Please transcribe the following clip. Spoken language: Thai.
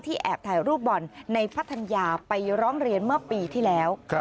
แอบถ่ายรูปบอลในพัทยาไปร้องเรียนเมื่อปีที่แล้ว